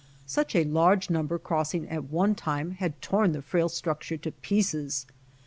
Such a large number crossing at one time had torn the frail struct ure to pieces.